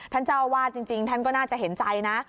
ท่านเจ้าว่าจริงท่านก็น่าจะเห็นใจนะ